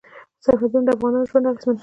سرحدونه د افغانانو ژوند اغېزمن کوي.